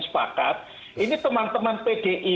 sepakat ini teman teman pdi